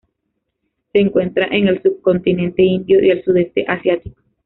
Se encuentra en el subcontinente indio y el sudeste asiático.